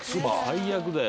最悪だよ。